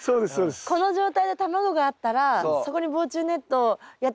この状態で卵があったらそこに防虫ネットをやってしまうともう。